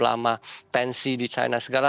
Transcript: lama tensi di china segala